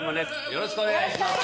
よろしくお願いします